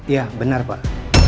ya benar pak